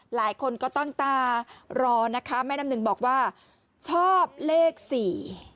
หลายคนก็ตั้งตารอนะคะแม่น้ำหนึ่งบอกว่าชอบเลขสี่